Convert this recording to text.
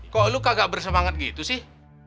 kok lu kagak bersemangat gitu sih